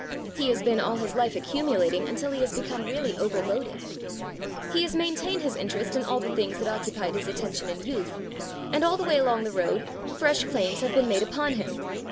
He has been all his life accumulating until he has become really overloaded. He has maintained his interest in all the things that occupied his attention in youth; and, all the way along the road, fresh claims have been made upon him.